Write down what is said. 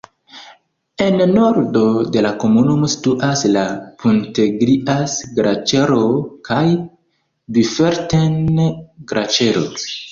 En nordo de la komunumo situas la Punteglias-Glaĉero kaj Biferten-Glaĉero.